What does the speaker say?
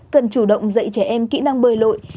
cần chủ động dạy trẻ em kỹ năng bơi lội